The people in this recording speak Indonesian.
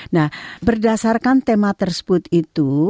nah berdasarkan tema tersebut itu